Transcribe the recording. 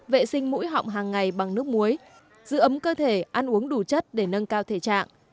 vệ sinh mũi họng hàng ngày bằng nước muối giữ ấm cơ thể ăn uống đủ chất để nâng cao thể trạng